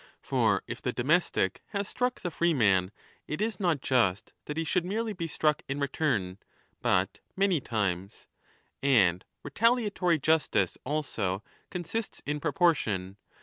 For if the domestic has struck the freeman, it is not just that he should merely be struck in return, but many times. And retaliatory justice, also, consists in proportion.